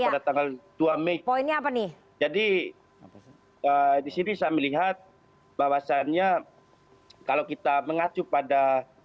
pada tanggal dua mei poinnya apa nih jadi disini saya melihat bahwasannya kalau kita mengacu pada